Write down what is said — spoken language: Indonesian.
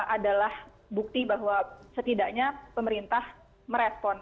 adalah bukti bahwa setidaknya pemerintah merespon